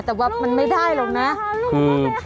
แต่ว่ามันไม่ได้หรอกนะ